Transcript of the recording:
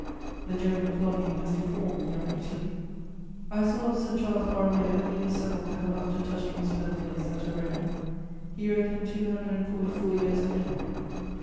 The German flogging has deformed young Italy. "I saw St. Charles Borromeo in his sepulchre, after touching his birthplace at Arona. He reckoned two hundred and forty four years of death.